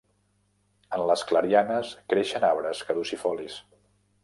En les clarianes creixen arbres caducifolis.